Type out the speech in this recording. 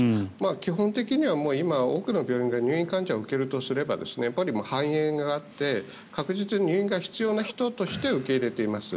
基本的には今、多くの病院が入院患者を受け入れるとすれば肺炎があって確実に入院が必要な人として受け入れています。